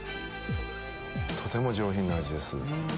とても上品な味です。